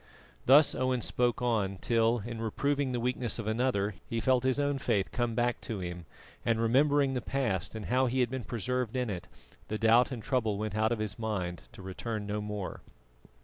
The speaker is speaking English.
Thus Owen spoke on till, in reproving the weakness of another, he felt his own faith come back to him and, remembering the past and how he had been preserved in it, the doubt and trouble went out of his mind to return no more.